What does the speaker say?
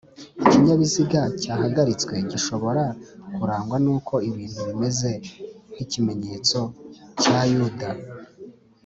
Ikinyabiziga cyahagaritswe gishobora kurangwa n uko ibintu bimeze n ikimenyetso cya yuda